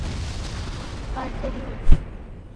এবং তাকে তোমার ছায়াও পরতে দিব না।